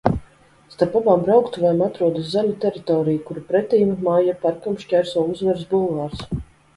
Starp abām brauktuvēm atrodas zaļā teritorija, kuru pretīm Maija parkam šķērso Uzvaras bulvāris.